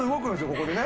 ここでね。